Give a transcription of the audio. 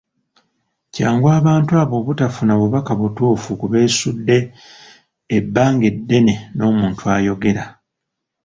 Kyangu abantu abo obutafuna bubaka butuufu ku beesudde ebbanga eddene n’omuntu ayogera.